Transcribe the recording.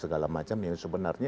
ia hanya mengikat beberapa